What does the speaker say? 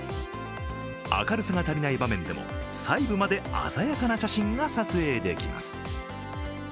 明るさが足りない場面でも細部まで鮮やかな写真が撮影できます。